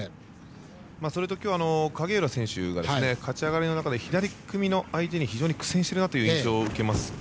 今日、影浦選手が勝ち上がりの中で左組みの相手に非常に苦戦をしている印象を受けます。